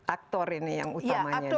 aktor ini yang utamanya di situ